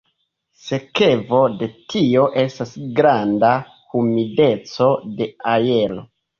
Sekvo de tio estas granda humideco de aero.